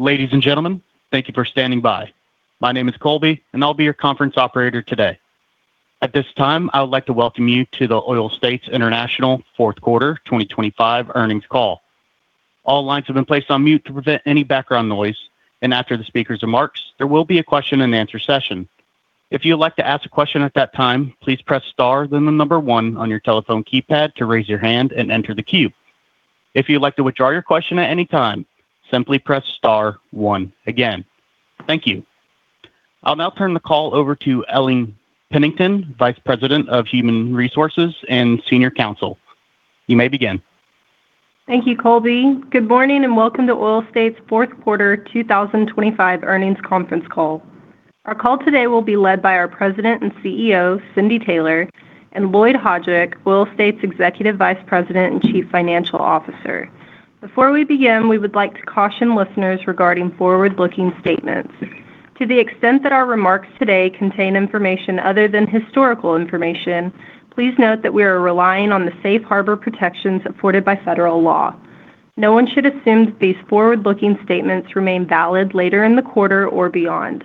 Ladies and gentlemen, thank you for standing by. My name is Colby, and I'll be your conference operator today. At this time, I would like to welcome you to the Oil States International Fourth Quarter 2025 Earnings Call. All lines have been placed on mute to prevent any background noise, and after the speakers' remarks, there will be a question-and-answer session. If you'd like to ask a question at that time, please press star, then the number 1 on your telephone keypad to raise your hand and enter the queue. If you'd like to withdraw your question at any time, simply press star one again. Thank you. I'll now turn the call over to Ellen Pennington, Vice President of Human Resources and Senior Counsel. You may begin. Thank you, Colby. Good morning, and welcome to Oil States' fourth quarter 2025 earnings conference call. Our call today will be led by our President and CEO, Cindy Taylor, and Lloyd Hajdik, Oil States' Executive Vice President and Chief Financial Officer. Before we begin, we would like to caution listeners regarding forward-looking statements. To the extent that our remarks today contain information other than historical information, please note that we are relying on the safe harbor protections afforded by federal law. No one should assume that these forward-looking statements remain valid later in the quarter or beyond.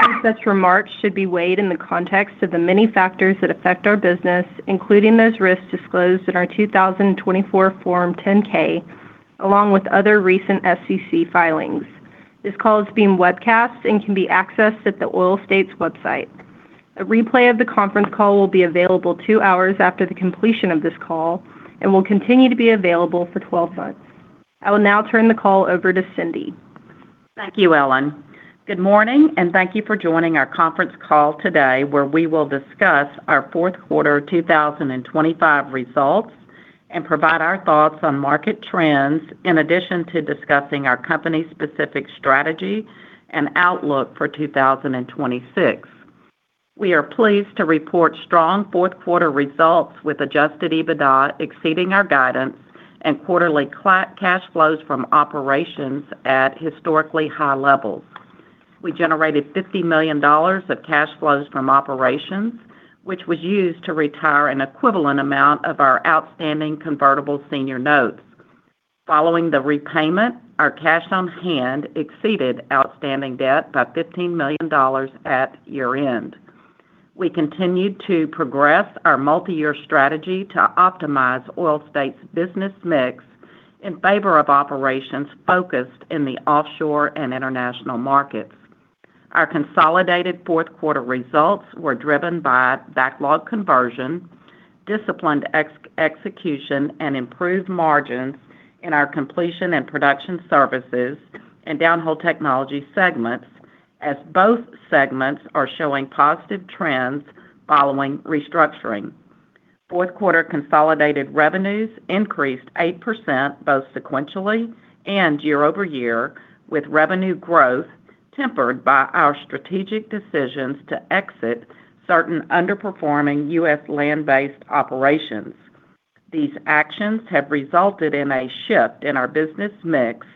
Any such remarks should be weighed in the context of the many factors that affect our business, including those risks disclosed in our 2024 Form 10-K, along with other recent SEC filings. This call is being webcast and can be accessed at the Oil States website. A replay of the conference call will be available two hours after the completion of this call and will continue to be available for 12 months. I will now turn the call over to Cindy. Thank you, Ellen. Good morning, and thank you for joining our conference call today, where we will discuss our fourth quarter 2025 results and provide our thoughts on market trends, in addition to discussing our company's specific strategy and outlook for 2026. We are pleased to report strong fourth quarter results, with Adjusted EBITDA exceeding our guidance and quarterly cash flows from operations at historically high levels. We generated $50 million of cash flows from operations, which was used to retire an equivalent amount of our outstanding Convertible Senior Notes. Following the repayment, our cash on hand exceeded outstanding debt by $15 million at year-end. We continued to progress our multi-year strategy to optimize Oil States' business mix in favor of operations focused in the offshore and international markets. Our consolidated fourth quarter results were driven by backlog conversion, disciplined execution, and improved margins in our Completion and Production Services and Downhole Technologies segments, as both segments are showing positive trends following restructuring. Fourth quarter consolidated revenues increased 8% both sequentially and year-over-year, with revenue growth tempered by our strategic decisions to exit certain underperforming U.S. land-based operations. These actions have resulted in a shift in our business mix,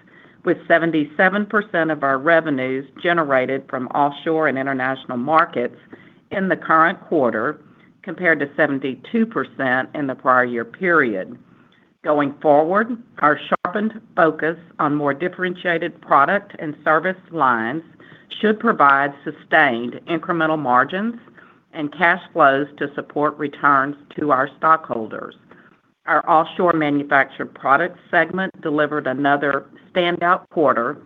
with 77% of our revenues generated from offshore and international markets in the current quarter, compared to 72% in the prior year period. Going forward, our sharpened focus on more differentiated product and service lines should provide sustained incremental margins and cash flows to support returns to our stockholders. Our Offshore Manufactured Products segment delivered another standout quarter,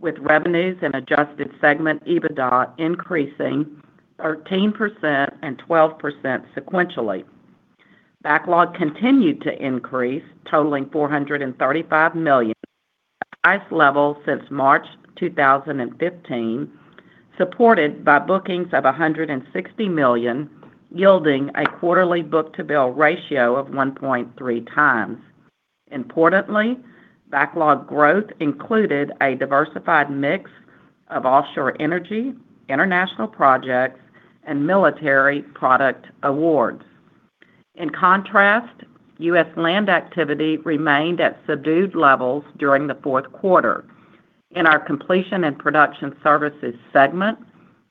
with revenues and adjusted segment Adjusted EBITDA increasing 13% and 12% sequentially. Backlog continued to increase, totaling $435 million, the highest level since March 2015, supported by bookings of $160 million, yielding a quarterly book-to-bill ratio of 1.3 times. Importantly, backlog growth included a diversified mix of offshore energy, international projects, and military product awards. In contrast, U.S. land activity remained at subdued levels during the fourth quarter. In our Completion and Production Services segment,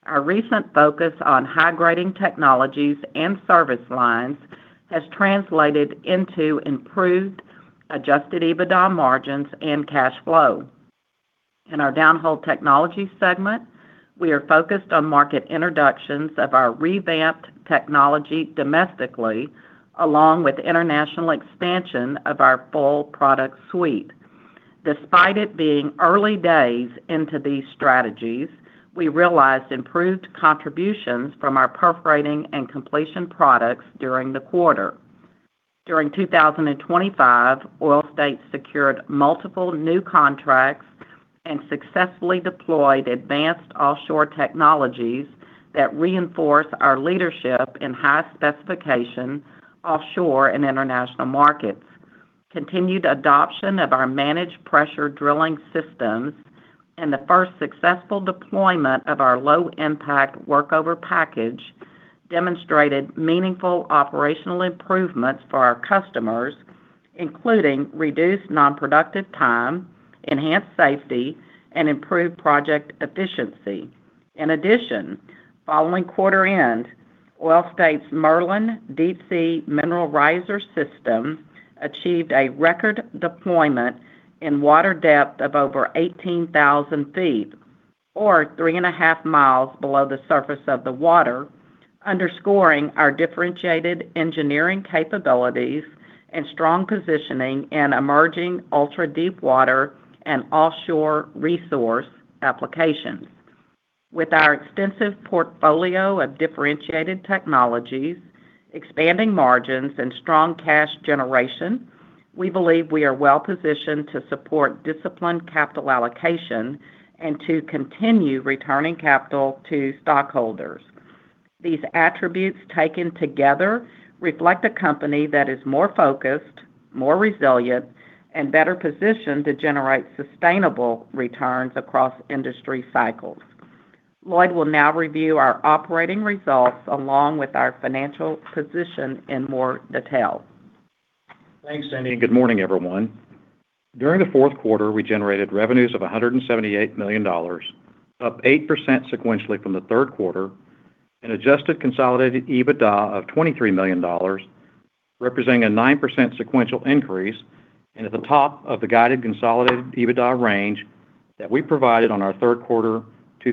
our recent focus on high-grading technologies and service lines has translated into improved Adjusted EBITDA margins and cash flow. In our Downhole Technologies segment, we are focused on market introductions of our revamped technology domestically, along with international expansion of our full product suite. Despite it being early days into these strategies, we realized improved contributions from our perforating and completion products during the quarter. During 2025, Oil States secured multiple new contracts and successfully deployed advanced offshore technologies that reinforce our leadership in high-specification offshore and international markets. Continued adoption of our managed pressure drilling systems and the first successful deployment of our low-impact workover package demonstrated meaningful operational improvements for our customers, including reduced non-productive time, enhanced safety, and improved project efficiency. In addition, following quarter end, Oil States' Merlin Deepsea Mineral Riser System achieved a record deployment in water depth of over 18,000 ft, or 3.5 mi below the surface of the water, underscoring our differentiated engineering capabilities and strong positioning in emerging ultra-deepwater and offshore resource applications. With our extensive portfolio of differentiated technologies, expanding margins, and strong cash generation, we believe we are well-positioned to support disciplined capital allocation and to continue returning capital to stockholders. These attributes, taken together, reflect a company that is more focused, more resilient, and better positioned to generate sustainable returns across industry cycles. Lloyd will now review our operating results along with our financial position in more detail. Thanks, Cindy, and good morning, everyone. During the fourth quarter, we generated revenues of $178 million, up 8% sequentially from the third quarter, and adjusted consolidated EBITDA of $23 million, representing a 9% sequential increase and at the top of the guided consolidated EBITDA range that we provided on our third quarter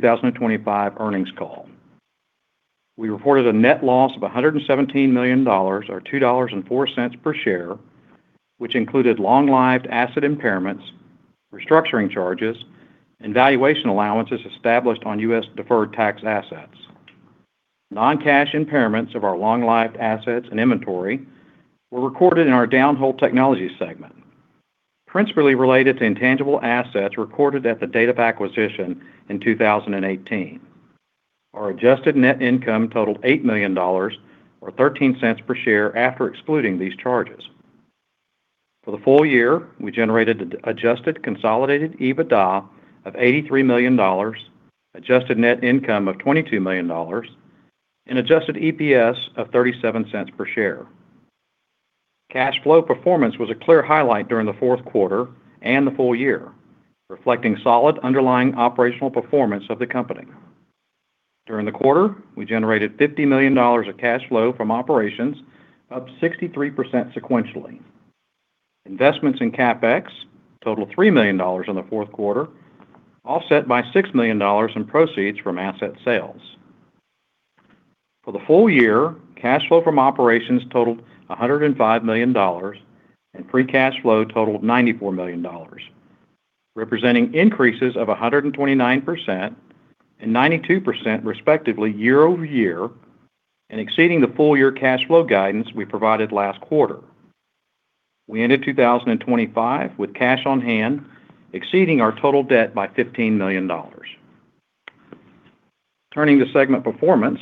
2025 earnings call. We reported a net loss of $117 million or $2.04 per share, which included long-lived asset impairments, restructuring charges, and valuation allowances established on U.S. deferred tax assets. Non-cash impairments of our long-lived assets and inventory were recorded in our Downhole Technologies segment, principally related to intangible assets recorded at the date of acquisition in 2018. Our adjusted net income totaled $8 million, or $0.13 per share, after excluding these charges. For the full year, we generated an adjusted consolidated EBITDA of $83 million, adjusted net income of $22 million, and adjusted EPS of $0.37 per share. Cash flow performance was a clear highlight during the fourth quarter and the full year, reflecting solid underlying operational performance of the company. During the quarter, we generated $50 million of cash flow from operations, up 63% sequentially. Investments in CapEx totaled $3 million in the fourth quarter, offset by $6 million in proceeds from asset sales. For the full year, cash flow from operations totaled $105 million, and free cash flow totaled $94 million, representing increases of 129% and 92%, respectively, year-over-year, and exceeding the full year cash flow guidance we provided last quarter. We ended 2025 with cash on hand, exceeding our total debt by $15 million. Turning to segment performance,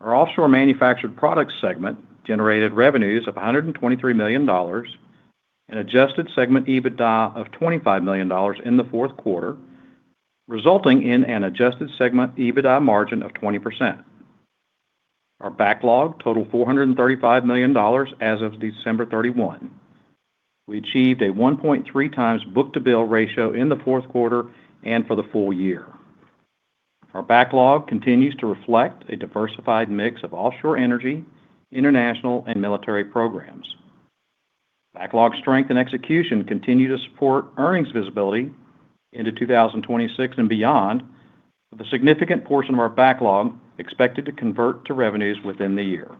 our Offshore Manufactured Products segment generated revenues of $123 million and Adjusted Segment EBITDA of $25 million in the fourth quarter, resulting in an Adjusted Segment EBITDA margin of 20%. Our backlog totaled $435 million as of December 31. We achieved a 1.3x book-to-bill ratio in the fourth quarter and for the full year. Our backlog continues to reflect a diversified mix of offshore energy, international, and military programs. Backlog strength and execution continue to support earnings visibility into 2026 and beyond, with a significant portion of our backlog expected to convert to revenues within the year.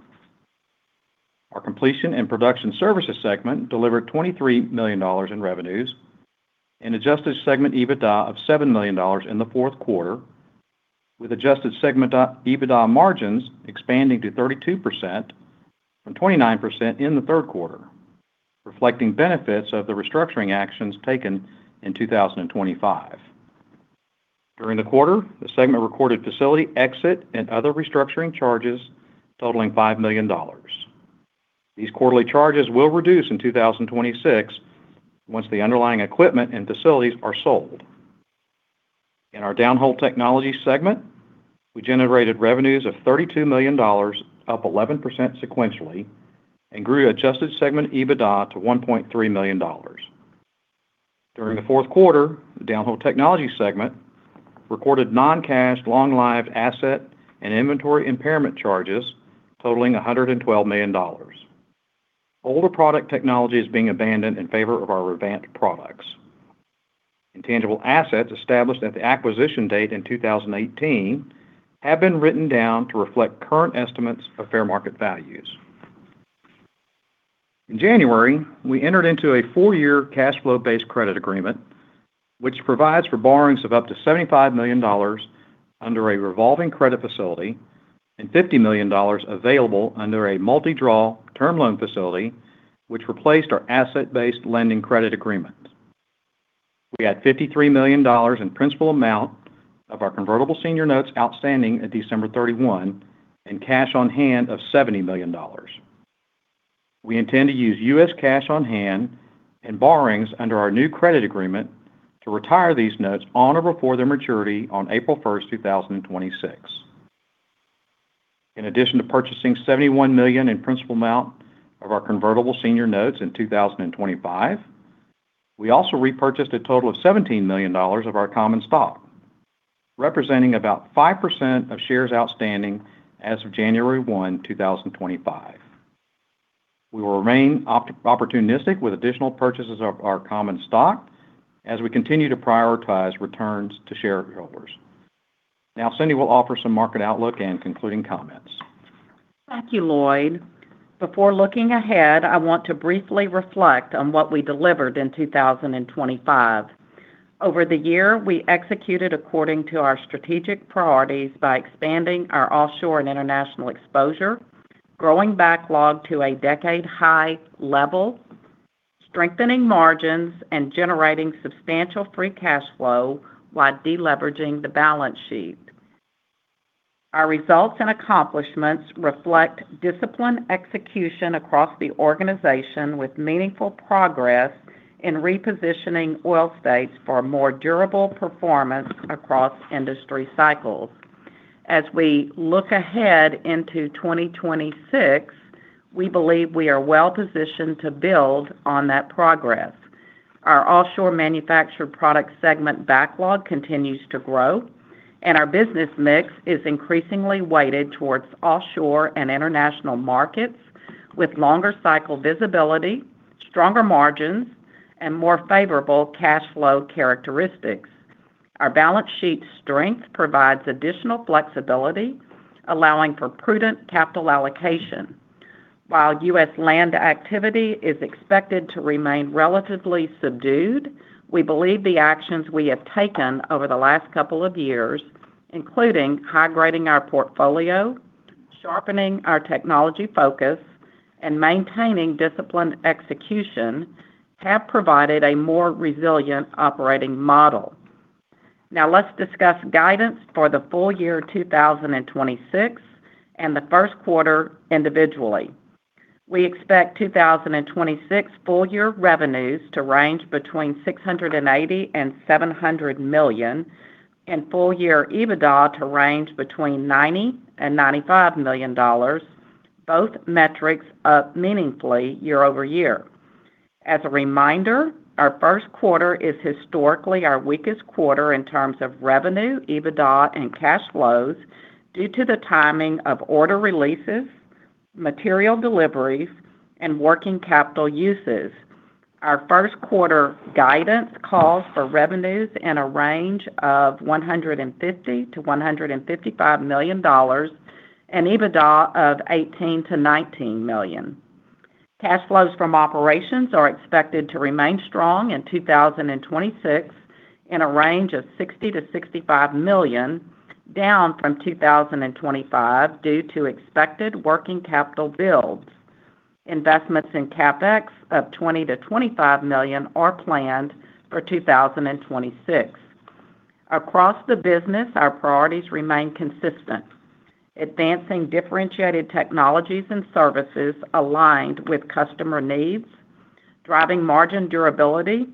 Our Completion and Production Services segment delivered $23 million in revenues and Adjusted Segment EBITDA of $7 million in the fourth quarter, with Adjusted Segment EBITDA margins expanding to 32% from 29% in the third quarter, reflecting benefits of the restructuring actions taken in 2025. During the quarter, the segment recorded facility exit and other restructuring charges totaling $5 million. These quarterly charges will reduce in 2026 once the underlying equipment and facilities are sold. In our Downhole Technologies segment, we generated revenues of $32 million, up 11% sequentially, and grew Adjusted Segment EBITDA to $1.3 million. During the fourth quarter, the Downhole Technologies segment recorded non-cash, long-lived asset and inventory impairment charges totaling $112 million. Older product technology is being abandoned in favor of our revamped products. Intangible assets established at the acquisition date in 2018 have been written down to reflect current estimates of fair market values. In January, we entered into a four-year cash flow-based credit agreement, which provides for borrowings of up to $75 million under a revolving credit facility and $50 million available under a multi-draw term loan facility, which replaced our asset-based lending credit agreement. We had $53 million in principal amount of our Convertible Senior Notes outstanding at December 31 and cash on hand of $70 million. We intend to use U.S. cash on hand and borrowings under our new credit agreement to retire these notes on or before their maturity on April 1, 2026. In addition to purchasing $71 million in principal amount of our Convertible Senior Notes in 2025- We also repurchased a total of $17 million of our common stock, representing about 5% of shares outstanding as of January 1, 2025. We will remain opportunistic with additional purchases of our common stock as we continue to prioritize returns to shareholders. Now, Cindy will offer some market outlook and concluding comments. Thank you, Lloyd. Before looking ahead, I want to briefly reflect on what we delivered in 2025. Over the year, we executed according to our strategic priorities by expanding our offshore and international exposure, growing backlog to a decade-high level, strengthening margins, and generating substantial free cash flow while de-leveraging the balance sheet. Our results and accomplishments reflect disciplined execution across the organization, with meaningful progress in repositioning Oil States for more durable performance across industry cycles. As we look ahead into 2026, we believe we are well-positioned to build on that progress. Our offshore manufactured product segment backlog continues to grow, and our business mix is increasingly weighted towards offshore and international markets with longer cycle visibility, stronger margins, and more favorable cash flow characteristics. Our balance sheet strength provides additional flexibility, allowing for prudent capital allocation. While U.S. land activity is expected to remain relatively subdued, we believe the actions we have taken over the last couple of years, including high-grading our portfolio, sharpening our technology focus, and maintaining disciplined execution, have provided a more resilient operating model. Now, let's discuss guidance for the full year 2026 and the first quarter individually. We expect 2026 full year revenues to range between $680 million and $700 million, and full year EBITDA to range between $90 million and $95 million, both metrics up meaningfully year-over-year. As a reminder, our first quarter is historically our weakest quarter in terms of revenue, EBITDA, and cash flows due to the timing of order releases, material deliveries, and working capital uses. Our first quarter guidance calls for revenues in a range of $150 million-$155 million and EBITDA of $18 million-$19 million. Cash flows from operations are expected to remain strong in 2026 in a range of $60 million-$65 million, down from 2025 due to expected working capital builds. Investments in CapEx of $20 million-$25 million are planned for 2026. Across the business, our priorities remain consistent: advancing differentiated technologies and services aligned with customer needs, driving margin durability,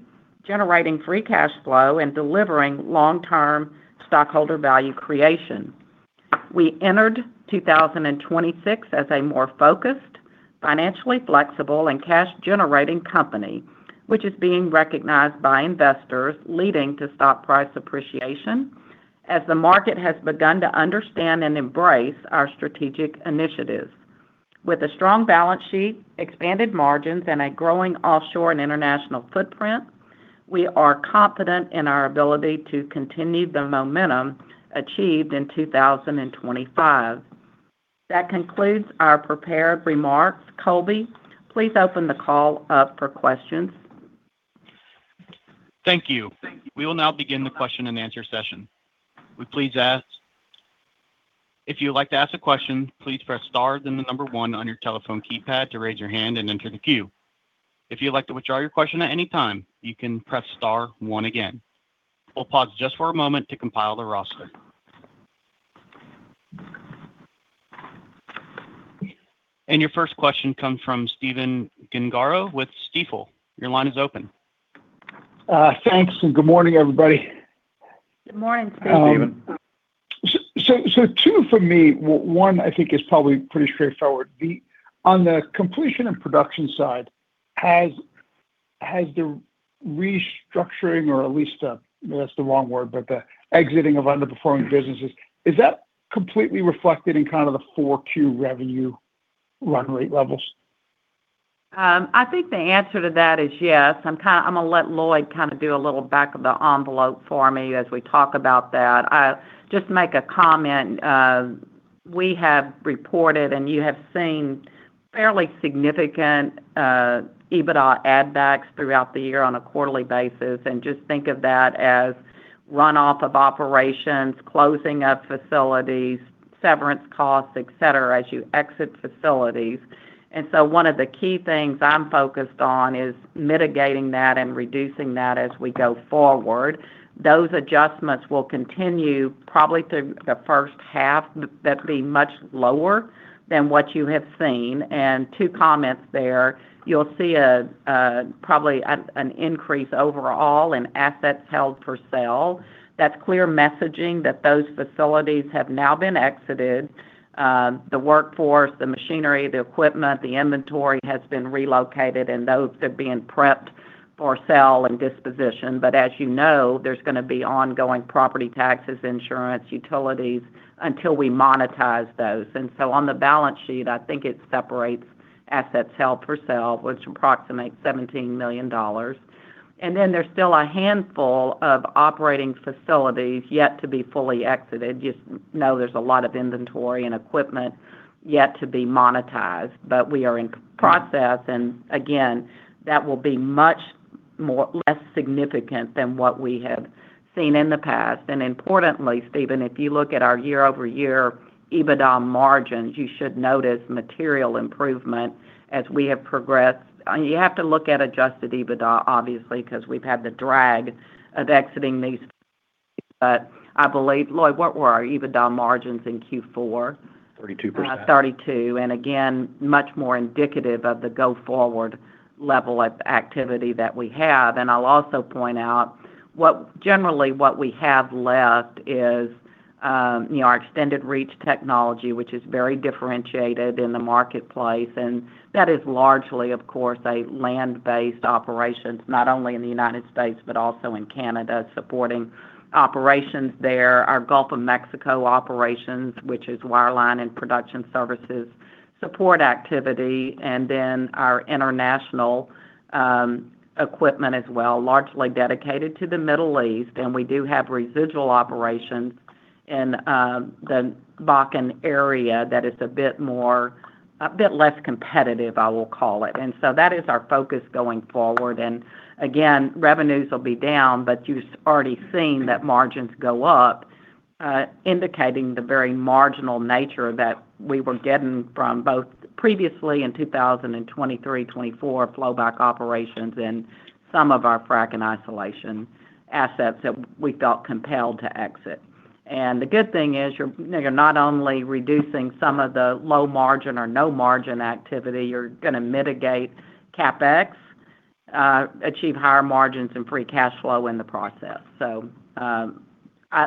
generating free cash flow, and delivering long-term stockholder value creation. We entered 2026 as a more focused, financially flexible, and cash-generating company, which is being recognized by investors, leading to stock price appreciation as the market has begun to understand and embrace our strategic initiatives. With a strong balance sheet, expanded margins, and a growing offshore and international footprint, we are confident in our ability to continue the momentum achieved in 2025. That concludes our prepared remarks. Colby, please open the call up for questions. Thank you. We will now begin the question-and-answer session. We please ask, if you would like to ask a question, please press star, then the number one on your telephone keypad to raise your hand and enter the queue. If you'd like to withdraw your question at any time, you can press star one again. We'll pause just for a moment to compile the roster. Your first question comes from Stephen Gengaro with Stifel. Your line is open. Thanks, and good morning, everybody. Good morning, Stephen. So, 2 for me. 1, I think is probably pretty straightforward. On the Completion and Production side, has the restructuring, or at least, that's the wrong word, but the exiting of underperforming businesses, is that completely reflected in kind of the 4Q revenue run rate levels? I think the answer to that is yes. I'm kinda I'm gonna let Lloyd kind of do a little back of the envelope for me as we talk about that. Just to make a comment, we have reported, and you have seen fairly significant EBITDA add backs throughout the year on a quarterly basis, and just think of that as runoff of operations, closing of facilities, severance costs, et cetera, as you exit facilities. And so one of the key things I'm focused on is mitigating that and reducing that as we go forward. Those adjustments will continue probably through the first half, but be much lower than what you have seen. And two comments there, you'll see probably an increase overall in assets held for sale. That's clear messaging that those facilities have now been exited. The workforce, the machinery, the equipment, the inventory has been relocated, and those are being prepped for sale and disposition. But as you know, there's gonna be ongoing property taxes, insurance, utilities, until we monetize those. So on the balance sheet, I think it separates assets held for sale, which approximates $17 million. And then there's still a handful of operating facilities yet to be fully exited. Just know there's a lot of inventory and equipment yet to be monetized, but we are in process, and again, that will be much less significant than what we have seen in the past. And importantly, Stephen, if you look at our year-over-year EBITDA margins, you should notice material improvement as we have progressed. You have to look at Adjusted EBITDA, obviously, because we've had the drag of exiting these. I believe, Lloyd, what were our EBITDA margins in Q4? 32%. 32, and again, much more indicative of the go-forward level of activity that we have. And I'll also point out what, generally what we have left is, you know, our extended reach technology, which is very differentiated in the marketplace, and that is largely, of course, a land-based operation, not only in the United States, but also in Canada, supporting operations there. Our Gulf of Mexico operations, which is wireline and production services, support activity, and then our international equipment as well, largely dedicated to the Middle East. And we do have residual operations in the Bakken area that is a bit more, a bit less competitive, I will call it. And so that is our focus going forward. And again, revenues will be down, but you've already seen that margins go up, indicating the very marginal nature that we were getting from both previously in 2023, 2024, flowback operations in some of our frac and isolation assets that we felt compelled to exit. And the good thing is, you're, you're not only reducing some of the low margin or no margin activity, you're gonna mitigate CapEx, achieve higher margins and free cash flow in the process. So, I'll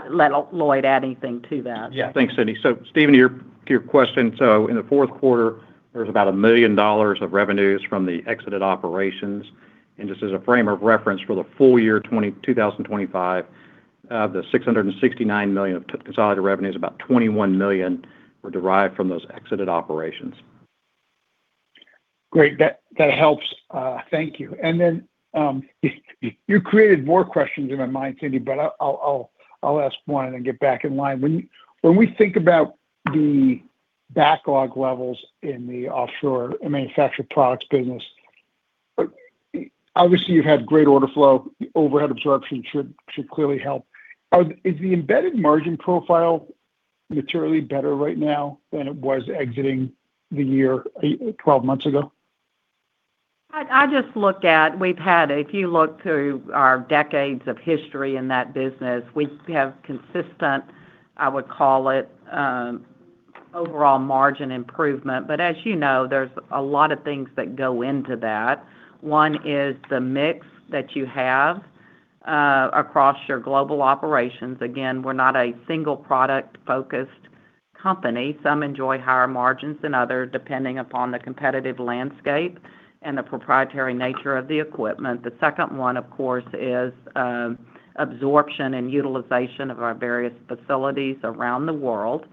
let Lloyd add anything to that. Yeah. Thanks, Cindy. So, Stephen, to your, to your question, so in the fourth quarter, there was about $1 million of revenues from the exited operations. And just as a frame of reference, for the full year 2025, of the $669 million of consolidated revenues, about $21 million were derived from those exited operations. Great. That helps. Thank you. And then, you created more questions in my mind, Cindy, but I'll ask one and then get back in line. When we think about the backlog levels in the Offshore Manufactured Products business, obviously, you've had great order flow, overhead absorption should clearly help. Is the embedded margin profile materially better right now than it was exiting the year twelve months ago? I just look at We've had. If you look through our decades of history in that business, we have consistent, I would call it, overall margin improvement. But as you know, there's a lot of things that go into that. One is the mix that you have, across your global operations. Again, we're not a single product-focused company. Some enjoy higher margins than others, depending upon the competitive landscape and the proprietary nature of the equipment. The second one, of course, is, absorption and utilization of our various facilities around the world.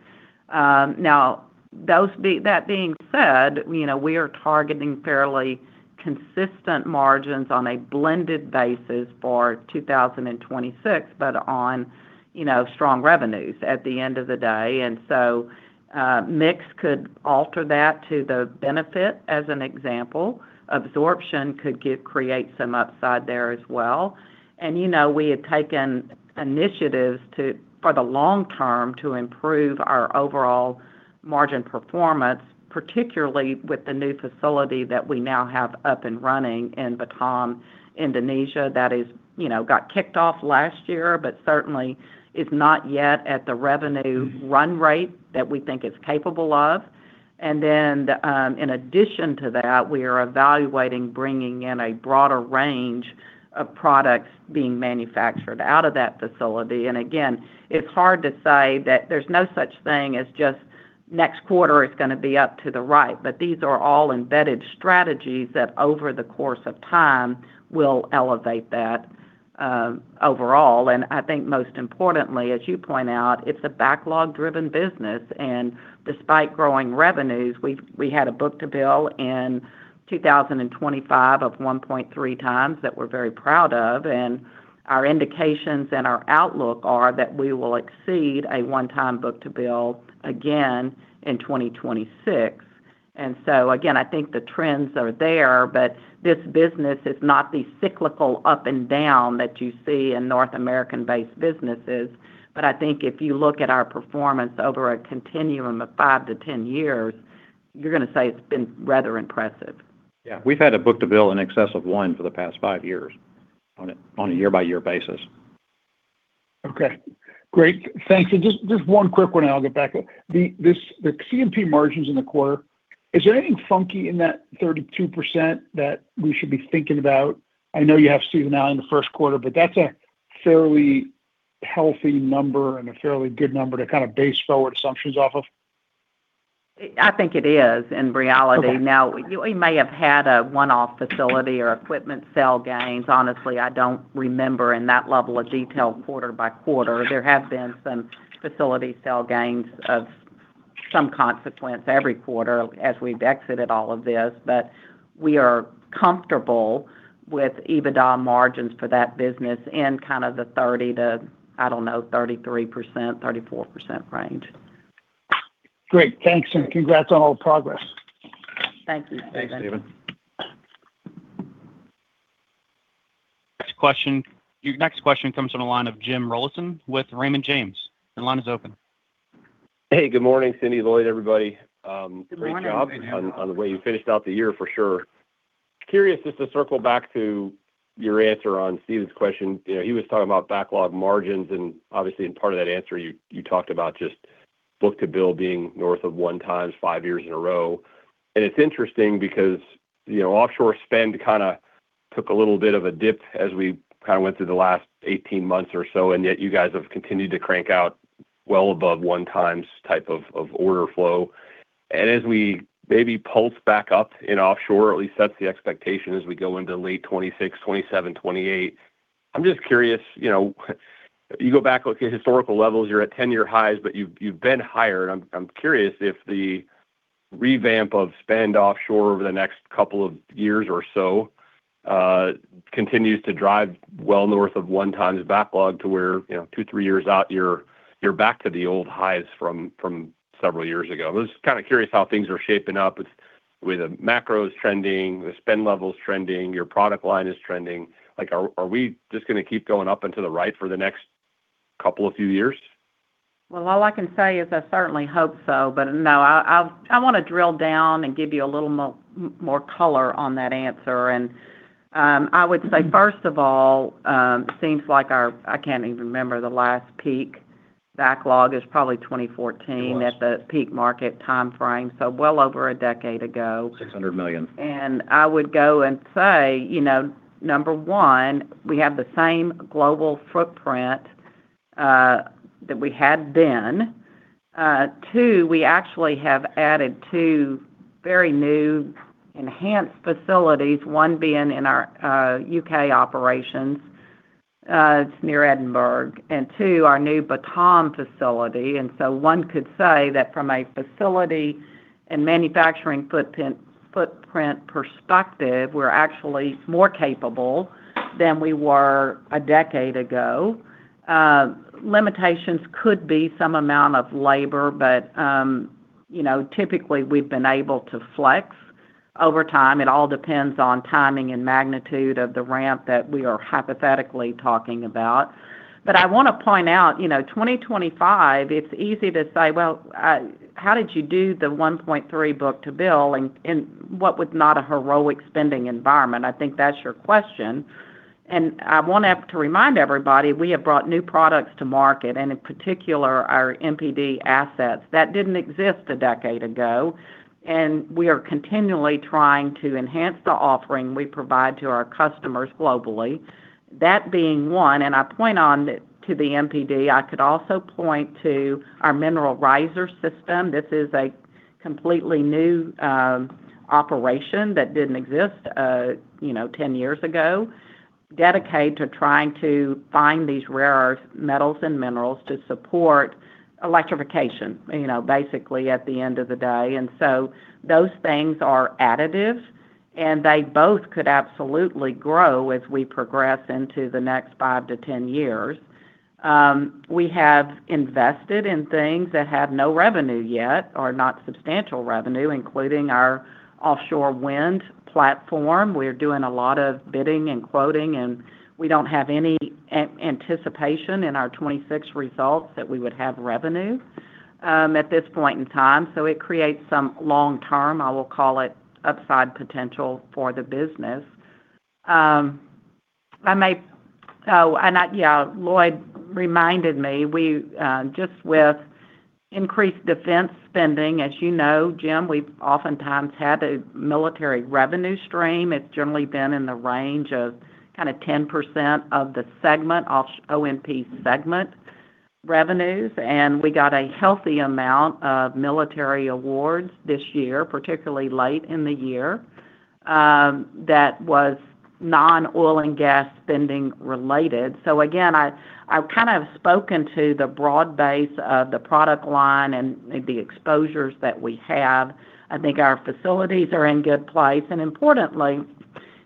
Now, that being said, you know, we are targeting fairly consistent margins on a blended basis for 2026, but on, you know, strong revenues at the end of the day. And so, mix could alter that to the benefit, as an example. Absorption could give, create some upside there as well. And, you know, we have taken initiatives to, for the long term, to improve our overall margin performance, particularly with the new facility that we now have up and running in Batam, Indonesia, that is, you know, got kicked off last year, but certainly is not yet at the revenue run rate that we think it's capable of. And then, in addition to that, we are evaluating bringing in a broader range of products being manufactured out of that facility. And again, it's hard to say that there's no such thing as just next quarter is gonna be up to the right, but these are all embedded strategies that over the course of time, will elevate that, overall. And I think most importantly, as you point out, it's a backlog-driven business, and despite growing revenues, we had a book-to-bill in 2025 of 1.3 times that we're very proud of, and our indications and our outlook are that we will exceed a 1.0 book-to-bill again in 2026. And so again, I think the trends are there, but this business is not the cyclical up and down that you see in North American-based businesses. But I think if you look at our performance over a continuum of 5-10 years, you're gonna say it's been rather impressive. Yeah. We've had a book-to-bill in excess of one for the past five years on a year-by-year basis. Okay. Great. Thank you. Just, just one quick one, and I'll get back. The—this, the C&P margins in the quarter, is there anything funky in that 32% that we should be thinking about? I know you have Stephen now in the first quarter, but that's a fairly healthy number and a fairly good number to kind of base forward assumptions off of. I think it is, in reality. Okay. Now, we may have had a one-off facility or equipment sale gains. Honestly, I don't remember in that level of detail quarter by quarter. There have been some facility sale gains of some consequence every quarter as we've exited all of this. But we are comfortable with EBITDA margins for that business in kind of the 30 to, I don't know, 33%, 34% range. Great. Thanks, and congrats on all the progress. Thank you. Thanks, David. Next question. Your next question comes from the line of Jim Rollyson with Raymond James. Your line is open. Hey, good morning, Cindy, Lloyd, everybody. Good morning. Great job on the way you finished out the year for sure. Curious, just to circle back to your answer on Stephen's question. You know, he was talking about backlog margins, and obviously, in part of that answer, you talked about just book-to-bill being north of 1x, five years in a row. And it's interesting because, you know, offshore spend kinda took a little bit of a dip as we kinda went through the last 18 months or so, and yet you guys have continued to crank out well above 1x type of order flow. And as we maybe pulse back up in offshore, at least that's the expectation as we go into late 2026, 2027, 2028. I'm just curious, you know, you go back, look at historical levels, you're at 10-year highs, but you've been higher. I'm curious if the revamp of spend offshore over the next couple of years or so continues to drive well north of 1x backlog to where, you know, 2, 3 years out, you're back to the old highs from several years ago. I'm just kinda curious how things are shaping up with the macros trending, the spend levels trending, your product line is trending. Like, are we just gonna keep going up into the right for the next couple of few years? Well, all I can say is I certainly hope so. But no, I wanna drill down and give you a little more color on that answer. I would say, first of all, seems like our—I can't even remember the last peak. Backlog is probably 2014- It was. at the peak market time frame, so well over a decade ago. $600 million. I would go and say, you know, number 1, we have the same global footprint that we had then. 2, we actually have added two very new enhanced facilities, one being in our U.K. operations, it's near Edinburgh, and 2, our new Batam facility. So one could say that from a facility and manufacturing footprint, footprint perspective, we're actually more capable than we were a decade ago. Limitations could be some amount of labor, but, you know, typically we've been able to flex over time. It all depends on timing and magnitude of the ramp that we are hypothetically talking about. But I wanna point out, you know, 2025, it's easy to say, "Well, how did you do the 1.3 book-to-bill and, and what was not a heroic spending environment?" I think that's your question. I want to remind everybody, we have brought new products to market, and in particular, our MPD assets. That didn't exist a decade ago, and we are continually trying to enhance the offering we provide to our customers globally. That being one, and I point to the MPD, I could also point to our mineral riser system. This is a completely new operation that didn't exist, you know, 10 years ago, dedicated to trying to find these rare earth metals and minerals to support electrification, you know, basically at the end of the day. And so those things are additives, and they both could absolutely grow as we progress into the next 5-10 years. We have invested in things that have no revenue yet or not substantial revenue, including our offshore wind platform. We're doing a lot of bidding and quoting, and we don't have any anticipation in our 2026 results that we would have revenue at this point in time. So it creates some long-term, I will call it, upside potential for the business. Yeah, Lloyd reminded me, we just with increased defense spending, as you know, Jim, we've oftentimes had a military revenue stream. It's generally been in the range of kinda 10% of the segment, OMP segment revenues, and we got a healthy amount of military awards this year, particularly late in the year, that was non-oil and gas spending related. So again, I, I've kind of spoken to the broad base of the product line and the exposures that we have. I think our facilities are in good place, and importantly,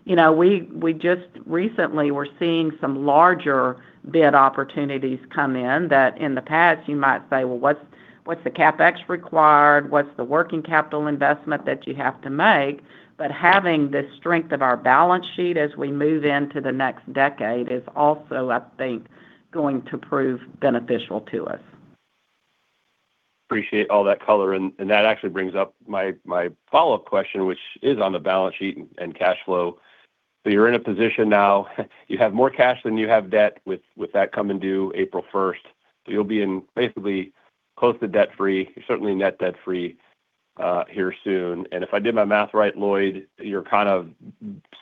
you know, we, we just recently were seeing some larger bid opportunities come in that in the past you might say, "Well, what's, what's the CapEx required? What's the working capital investment that you have to make?" But having the strength of our balance sheet as we move into the next decade is also, I think, going to prove beneficial to us. Appreciate all that color, and that actually brings up my follow-up question, which is on the balance sheet and cash flow. So you're in a position now, you have more cash than you have debt, with that coming due April first. So you'll be in basically close to debt-free, certainly net debt-free, here soon. And if I did my math right, Lloyd, you're kind of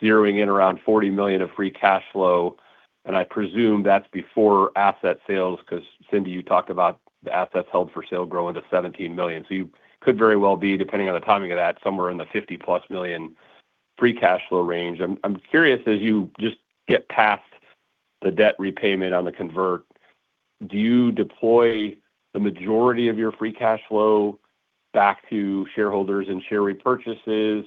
zeroing in around $40 million of free cash flow, and I presume that's before asset sales, 'cause Cindy, you talked about the assets held for sale growing to $17 million. So you could very well be, depending on the timing of that, somewhere in the $50+ million free cash flow range. I'm curious, as you just get past- The debt repayment on the convert, do you deploy the majority of your free cash flow back to shareholders and share repurchases,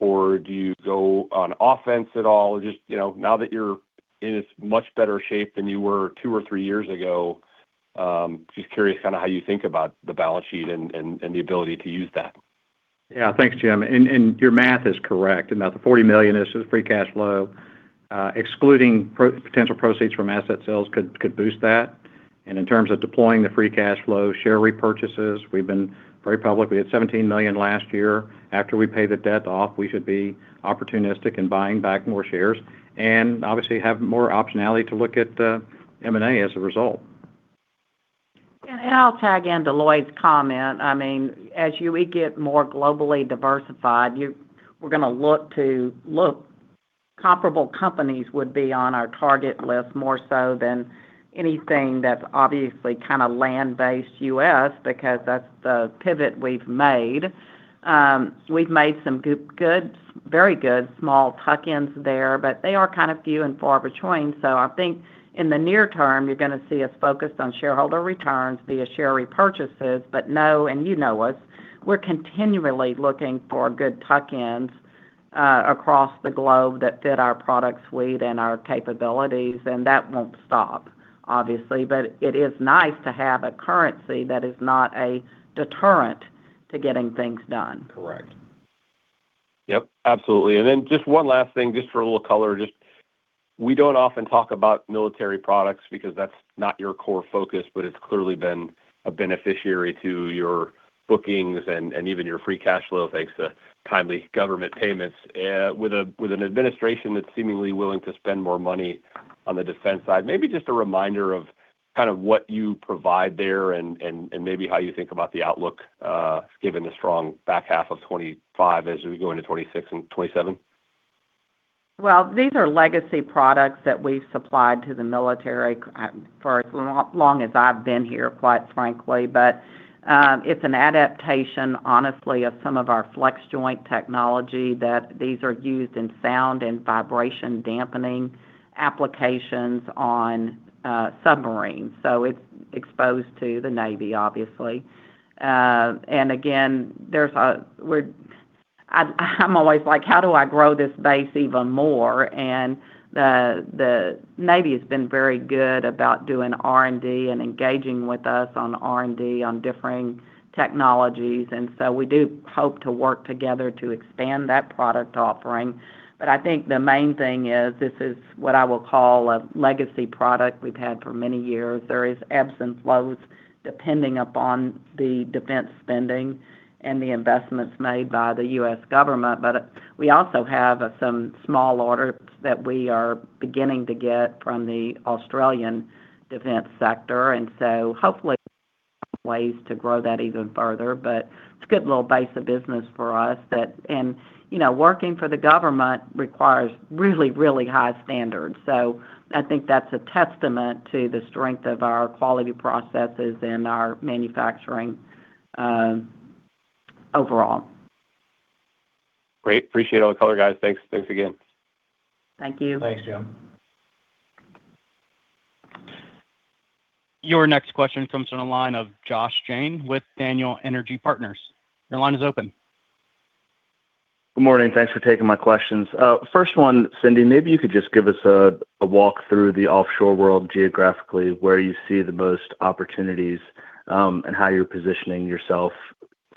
or do you go on offense at all? Just, you know, now that you're in a much better shape than you were two or three years ago, just curious kind of how you think about the balance sheet and the ability to use that. Yeah. Thanks, Jim. And your math is correct. And now the $40 million is just free cash flow, excluding potential proceeds from asset sales could boost that. And in terms of deploying the free cash flow, share repurchases, we've been very public. We had $17 million last year. After we pay the debt off, we should be opportunistic in buying back more shares, and obviously, have more optionality to look at M&A as a result. And I'll tag in to Lloyd's comment. I mean, as we get more globally diversified, we're gonna look to look, comparable companies would be on our target list more so than anything that's obviously kind of land-based U.S., because that's the pivot we've made. We've made some good, very good small tuck-ins there, but they are kind of few and far between. So I think in the near term, you're gonna see us focused on shareholder returns via share repurchases, but, you know us, we're continually looking for good tuck-ins across the globe that fit our product suite and our capabilities, and that won't stop, obviously. But it is nice to have a currency that is not a deterrent to getting things done. Correct. Yep, absolutely. And then just one last thing, just for a little color. Just, we don't often talk about military products because that's not your core focus, but it's clearly been a beneficiary to your bookings and even your free cash flow, thanks to timely government payments. With an administration that's seemingly willing to spend more money on the defense side, maybe just a reminder of kind of what you provide there and maybe how you think about the outlook, given the strong back half of 2025 as we go into 2026 and 2027? Well, these are legacy products that we've supplied to the military for as long, long as I've been here, quite frankly. But, it's an adaptation, honestly, of some of our flex joint technology, that these are used in sound and vibration dampening applications on submarines. So it's exposed to the Navy, obviously. And again, I'm always like: How do I grow this base even more? And the Navy has been very good about doing R&D and engaging with us on R&D on differing technologies. And so we do hope to work together to expand that product offering. But I think the main thing is, this is what I will call a legacy product we've had for many years. There is ebbs and flows, depending upon the defense spending and the investments made by the U.S. government. But, we also have some small orders that we are beginning to get from the Australian defense sector, and so hopefully, ways to grow that even further. But it's a good little base of business for us that And, you know, working for the government requires really, really high standards. So I think that's a testament to the strength of our quality processes and our manufacturing, overall. Great. Appreciate all the color, guys. Thanks. Thanks again. Thank you. Thanks, Jim. Your next question comes from the line of Josh Jayne with Daniel Energy Partners. Your line is open. Good morning. Thanks for taking my questions. First one, Cindy, maybe you could just give us a walk through the offshore world geographically, where you see the most opportunities, and how you're positioning yourself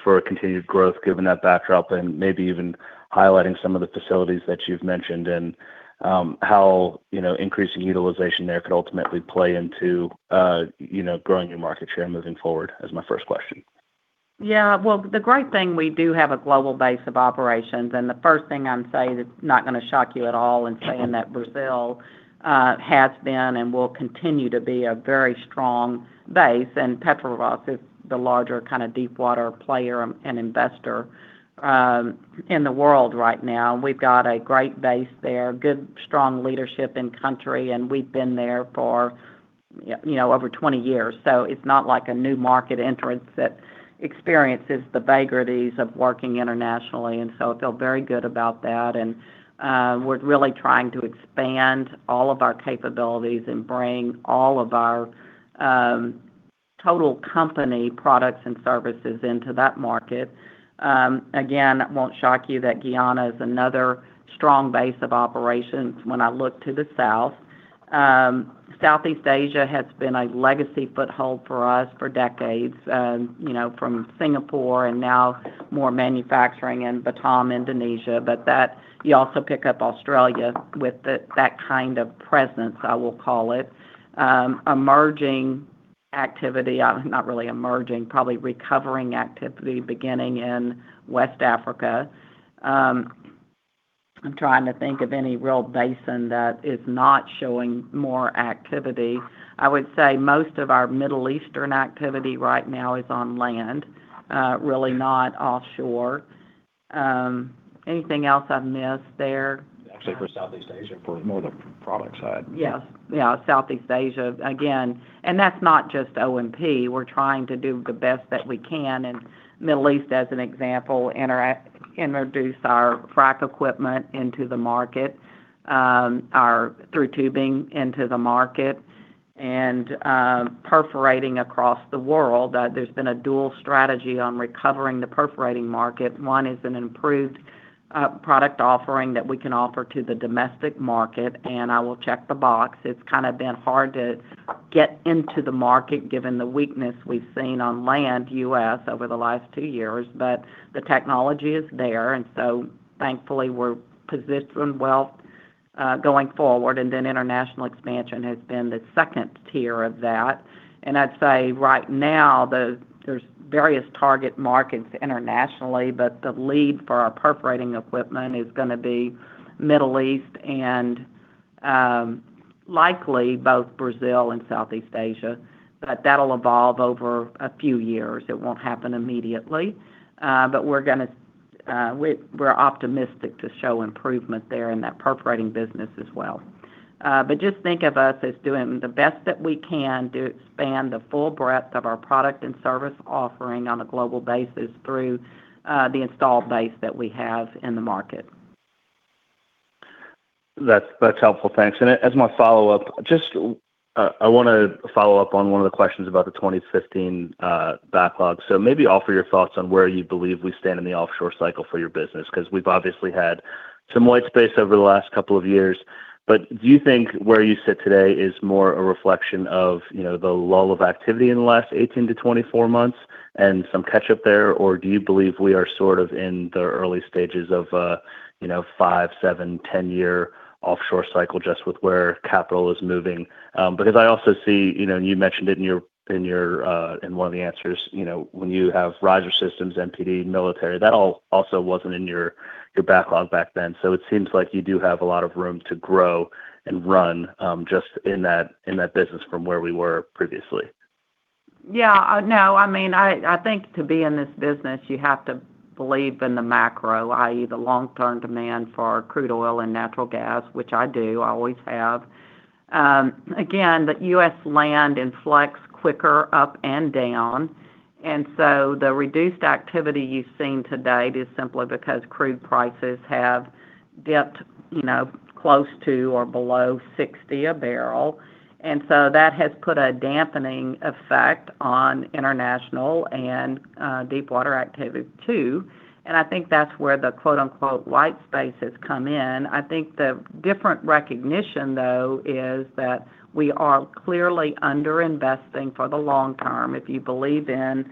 for a continued growth, given that backdrop, and maybe even highlighting some of the facilities that you've mentioned, and how, you know, increasing utilization there could ultimately play into, you know, growing your market share moving forward, as my first question. Yeah. Well, the great thing, we do have a global base of operations, and the first thing I'd say, that's not gonna shock you at all in saying that Brazil has been and will continue to be a very strong base, and Petrobras is the larger kind of deep water player and investor in the world right now. We've got a great base there, good, strong leadership in country, and we've been there for, you know, over 20 years. So it's not like a new market entrance that experiences the vagaries of working internationally, and so I feel very good about that. And we're really trying to expand all of our capabilities and bring all of our total company products and services into that market. Again, it won't shock you that Guyana is another strong base of operations when I look to the south. Southeast Asia has been a legacy foothold for us for decades, you know, from Singapore and now more manufacturing in Batam, Indonesia. But that, you also pick up Australia with the, that kind of presence, I will call it. Emerging activity, not really emerging, probably recovering activity, beginning in West Africa. I'm trying to think of any real basin that is not showing more activity. I would say most of our Middle Eastern activity right now is on land, really not offshore. Anything else I've missed there? Actually, for Southeast Asia, for more the product side. Yes. Yeah, Southeast Asia. Again, and that's not just O&P. We're trying to do the best that we can in Middle East, as an example, introduce our frac equipment into the market. Our through tubing into the market and, perforating across the world. There's been a dual strategy on recovering the perforating market. One is an improved product offering that we can offer to the domestic market, and I will check the box. It's kind of been hard to get into the market, given the weakness we've seen on land, U.S., over the last two years. But the technology is there, and so thankfully, we're positioned well, going forward, and then international expansion has been the second tier of that. I'd say right now, there's various target markets internationally, but the lead for our perforating equipment is gonna be Middle East and likely both Brazil and Southeast Asia. But that'll evolve over a few years. It won't happen immediately, but we're gonna, we're optimistic to show improvement there in that perforating business as well. But just think of us as doing the best that we can to expand the full breadth of our product and service offering on a global basis through the installed base that we have in the market. That's, that's helpful. Thanks. And as my follow-up, just, I wanna follow up on one of the questions about the 2015 backlog. So maybe offer your thoughts on where you believe we stand in the offshore cycle for your business, 'cause we've obviously had some white space over the last couple of years. But do you think where you sit today is more a reflection of, you know, the lull of activity in the last 18-24 months and some catch up there? Or do you believe we are sort of in the early stages of, you know, 5, 7, 10-year offshore cycle, just with where capital is moving? Because I also see, you know, and you mentioned it in your—in your, in one of the answers, you know, when you have riser systems, NPT, military, that also wasn't in your, your backlog back then. So it seems like you do have a lot of room to grow and run, just in that, in that business from where we were previously. Yeah. No, I mean, I think to be in this business, you have to believe in the macro, i.e., the long-term demand for crude oil and natural gas, which I do. I always have. Again, the U.S. land and flex quicker, up and down, and so the reduced activity you've seen to date is simply because crude prices have dipped, you know, close to or below $60 a barrel. And so that has put a dampening effect on international and deepwater activity, too. And I think that's where the quote, unquote, "white space" has come in. I think the different recognition, though, is that we are clearly underinvesting for the long term, if you believe in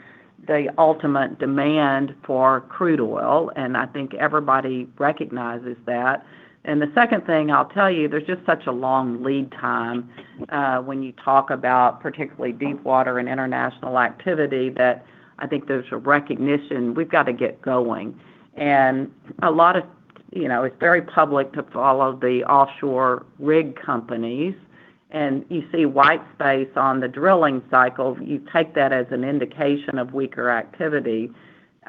the ultimate demand for crude oil, and I think everybody recognizes that. And the second thing I'll tell you, there's just such a long lead time, when you talk about particularly deepwater and international activity, that I think there's a recognition we've got to get going. And a lot of, you know, it's very public to follow the offshore rig companies, and you see white space on the drilling cycle, you take that as an indication of weaker activity.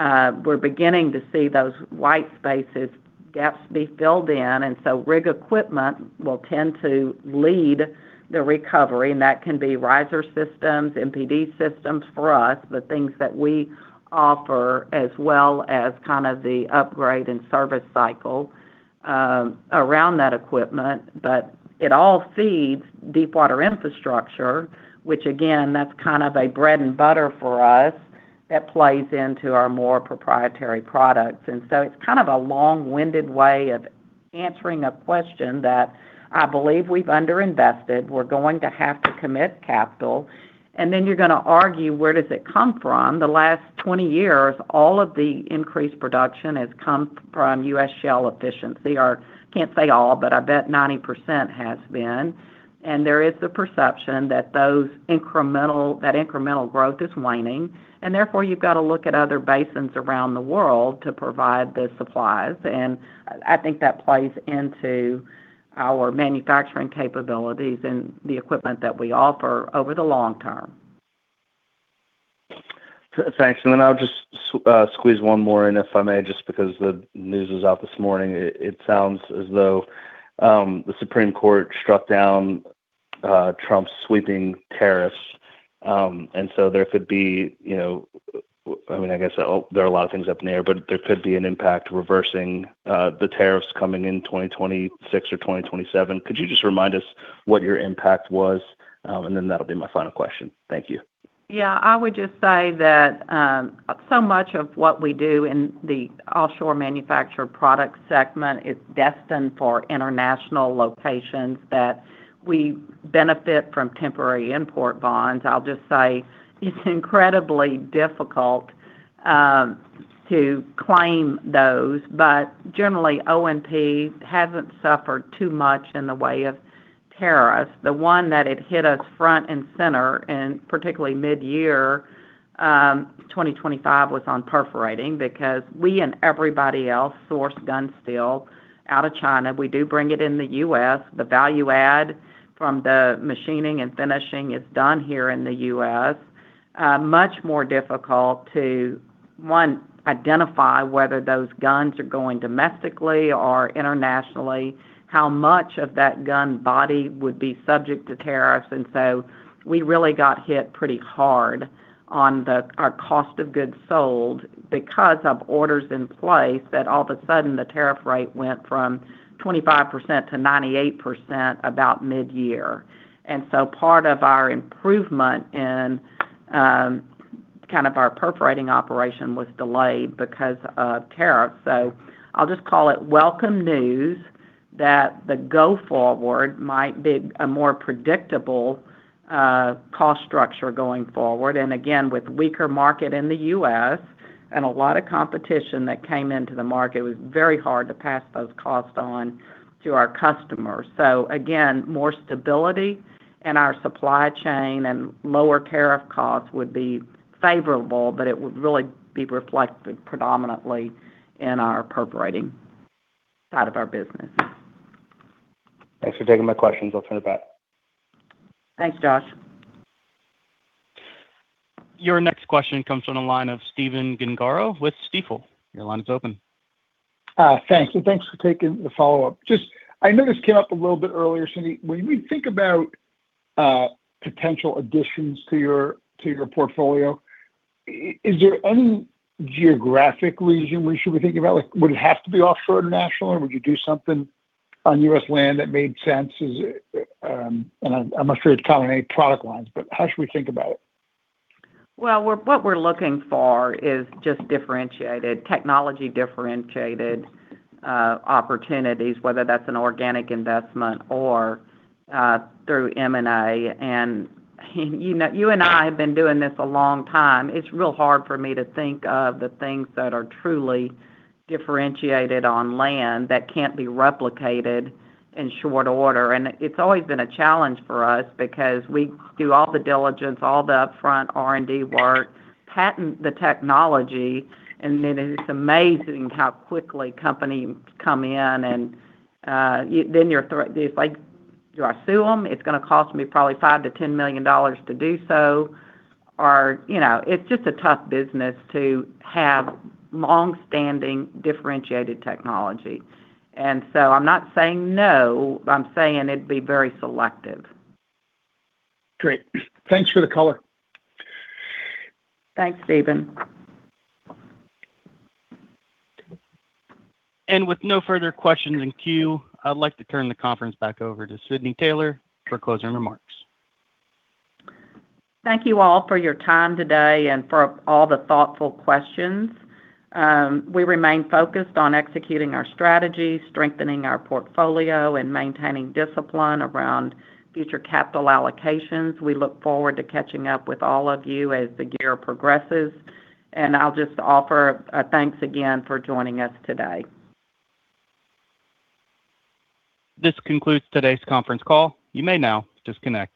We're beginning to see those white spaces, gaps be filled in, and so rig equipment will tend to lead the recovery, and that can be riser systems, MPD systems for us, the things that we offer, as well as kind of the upgrade and service cycle, around that equipment. But it all feeds deepwater infrastructure, which again, that's kind of a bread and butter for us, that plays into our more proprietary products. So it's kind of a long-winded way of answering a question that I believe we've underinvested. We're going to have to commit capital, and then you're gonna argue, where does it come from? The last 20 years, all of the increased production has come from U.S. shale efficiency, or can't say all, but I bet 90% has been. There is the perception that those incremental growth is waning, and therefore, you've got to look at other basins around the world to provide the supplies. I think that plays into our manufacturing capabilities and the equipment that we offer over the long term. Thanks. And then I'll just squeeze one more in, if I may, just because the news is out this morning. It sounds as though the Supreme Court struck down Trump's sweeping tariffs, and so there could be, you know I mean, I guess there are a lot of things up in the air, but there could be an impact reversing the tariffs coming in 2026 or 2027. Could you just remind us what your impact was? And then that'll be my final question. Thank you. Yeah, I would just say that, so much of what we do in the Offshore Manufactured Products segment is destined for international locations, that we benefit from temporary import bonds. I'll just say it's incredibly difficult to claim those, but generally, O&P hasn't suffered too much in the way of tariffs. The one that hit us front and center, in particularly mid-year 2025, was on perforating, because we and everybody else source gun steel out of China. We do bring it in the U.S. The value add from the machining and finishing is done here in the U.S. It is much more difficult to, one, identify whether those guns are going domestically or internationally, how much of that gun body would be subject to tariffs. We really got hit pretty hard on our cost of goods sold because of orders in place that all of a sudden the tariff rate went from 25% to 98% about mid-year. So part of our improvement in kind of our perforating operation was delayed because of tariffs. So I'll just call it welcome news that the go forward might be a more predictable cost structure going forward. And again, with weaker market in the U.S. and a lot of competition that came into the market, it was very hard to pass those costs on to our customers. So again, more stability in our supply chain and lower tariff costs would be favorable, but it would really be reflected predominantly in our perforating side of our business. Thanks for taking my questions. I'll turn it back. Thanks, Josh. Your next question comes from the line of Stephen Gengaro with Stifel. Your line is open. Thanks, and thanks for taking the follow-up. Just, I know this came up a little bit earlier, Cindy. When we think about potential additions to your portfolio, is there any geographic region we should be thinking about? Like, would it have to be offshore international, or would you do something on U.S. land that made sense? Is it I'm not sure it's common, any product lines, but how should we think about it? Well, what we're looking for is just differentiated, technology differentiated, opportunities, whether that's an organic investment or through M&A. And you know, you and I have been doing this a long time. It's real hard for me to think of the things that are truly differentiated on land that can't be replicated in short order. And it's always been a challenge for us because we do all the diligence, all the upfront R&D work, patent the technology, and then it's amazing how quickly companies come in and then you're. It's like, do I sue them? It's gonna cost me probably $5 million-$10 million to do so, or. You know, it's just a tough business to have long-standing differentiated technology. And so I'm not saying no, I'm saying it'd be very selective. Great. Thanks for the color. Thanks, Steven. With no further questions in queue, I'd like to turn the conference back over to Cindy Taylor for closing remarks. Thank you all for your time today and for all the thoughtful questions. We remain focused on executing our strategy, strengthening our portfolio, and maintaining discipline around future capital allocations. We look forward to catching up with all of you as the year progresses, and I'll just offer a thanks again for joining us today. This concludes today's conference call. You may now disconnect.